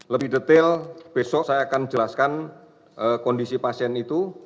lebih detail besok saya akan jelaskan kondisi pasien itu